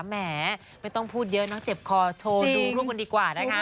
แหมไม่ต้องพูดเยอะน้องเจ็บคอโชว์ดูร่วมกันดีกว่านะคะ